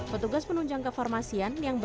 petugas penunjang kefarmasian